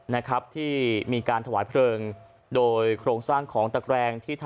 และพื้นที่โดยรอบฐานของตัวนกษัตริย์ลิง